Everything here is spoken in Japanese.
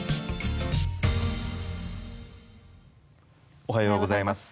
おはようございます。